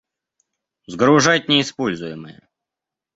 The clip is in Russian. Сгружать неиспользуемые